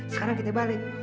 sekarang kita balik